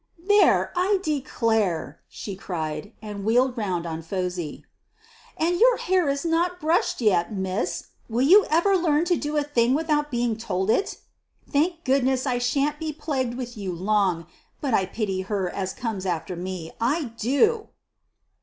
"There, I declare!" she cried, and wheeled round on Phosy. "And your hair not brushed yet, miss! Will you ever learn to do a thing without being told it? Thank goodness, I shan't be plagued with you long! But I pity her as comes after me: I do!"